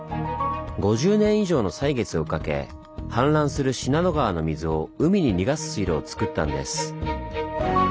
５０年以上の歳月をかけ氾濫する信濃川の水を海に逃がす水路をつくったんです。